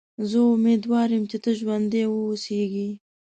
زه امیدوار یم چې ته ژوندی و اوسېږې.